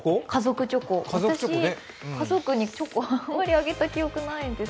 私、家族にチョコ、あんまりあげた記憶ないですね。